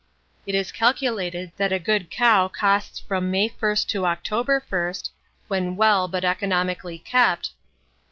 It is calculated that a good cow costs from May 1 to October 1, when well but economically kept, £5.